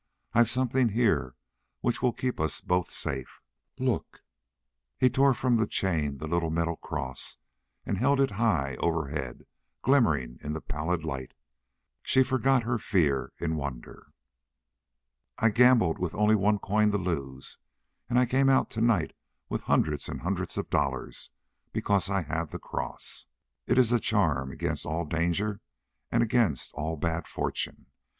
I've something here which will keep us both safe. Look!" He tore from the chain the little metal cross, and held it high overhead, glimmering in the pallid light. She forgot her fear in wonder. "I gambled with only one coin to lose, and I came out tonight with hundreds and hundreds of dollars because I had the cross. It is a charm against all danger and against all bad fortune.